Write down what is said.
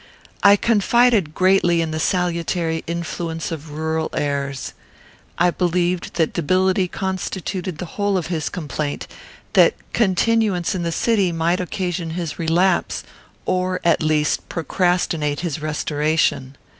I confided greatly in the salutary influence of rural airs. I believed that debility constituted the whole of his complaint; that continuance in the city might occasion his relapse, or, at least, procrastinate his restoration.